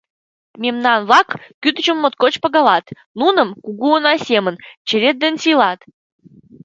Мемнан-влак кӱтӱчым моткоч пагалат: нуным, кугу уна семын, черет дене сийлат.